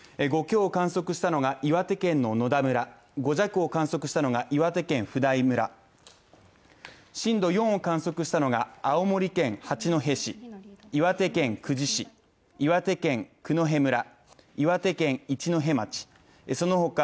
５強を観測したのが、岩手県の野田村、５弱を観測したのが岩手県普代村震度４を観測したのが青森県八戸市、岩手県久慈市、岩手県九戸村岩手県一戸町、その他